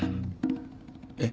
えっ？